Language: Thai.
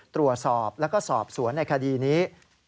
ตรวจสอบแล้วก็สอบสวนในคดีนี้